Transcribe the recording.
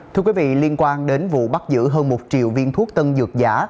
thưa quý vị liên quan đến vụ bắt giữ hơn một triệu viên thuốc tân dược giả